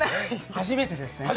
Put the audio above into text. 初めてですね。